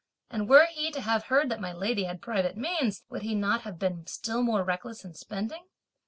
and were he to have heard that my lady had private means, would he not have been still more reckless in spending?